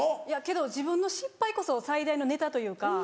いやけど自分の失敗こそ最大のネタというか。